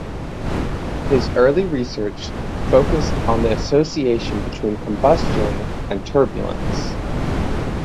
His early research focused on the association between combustion and turbulence.